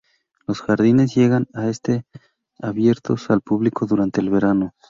Los jardines llegan a estar abiertos al público durante el verano.